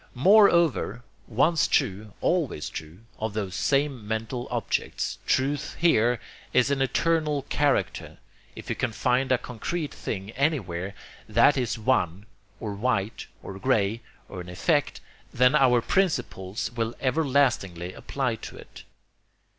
Moreover, once true, always true, of those same mental objects. Truth here has an 'eternal' character. If you can find a concrete thing anywhere that is 'one' or 'white' or 'gray,' or an 'effect,' then your principles will everlastingly apply to it.